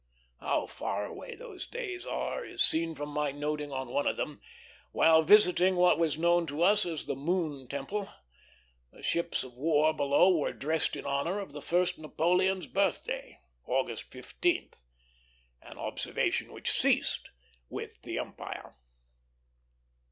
How far away those days are is seen from my noting on one of them, while visiting what was known to us as the Moon Temple, that the ships of war below were dressed in honor of the first Napoleon's birthday, August 15th; an observance which ceased with the empire.